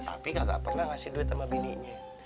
tapi kakak pernah ngasih duit sama bininya